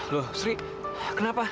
loh sri kenapa